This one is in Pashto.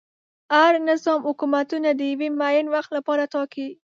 هر نظام حکومتونه د یوه معین وخت لپاره ټاکي.